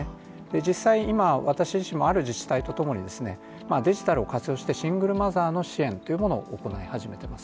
実際、今、私自身もある自治体とともにデジタルを活用してシングルマザーの支援を行い始めています。